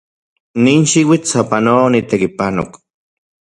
Nin xiuitl sapanoa onitekipanok.